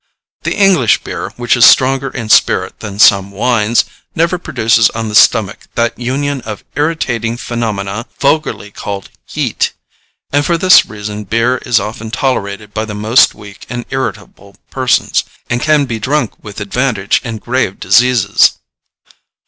The English beer, which is stronger in spirit than some wines, never produces on the stomach that union of irritating phenomena vulgarly called heat, and for this reason beer is often tolerated by the most weak and irritable persons, and can be drunk with advantage in grave diseases."